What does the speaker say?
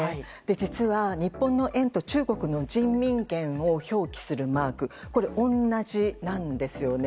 実は日本の￥と中国の人民元を表記するマークは同じなんです。